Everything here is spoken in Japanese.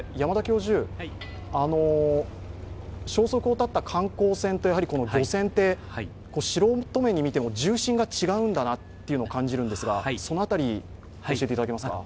消息を絶った観光船と漁船って素人目に見ても重心が違うんだなというのを感じるんですがその辺り教えていただけますか？